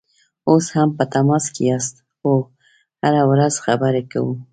اوس هم په تماس کې یاست؟ هو، هره ورځ خبرې کوو